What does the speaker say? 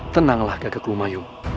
tenanglah gagaku mayu